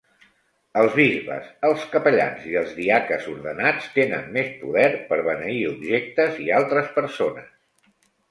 Els bisbes, els capellans i els diaques ordenats tenen més poder per beneir objectes i altres persones.